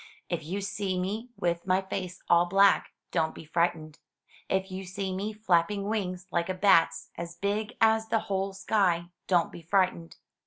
If you see me with my face all black, don't be frightened. If you see nie flapping wings like a bat's, as big as the whole sky, don't be frightened.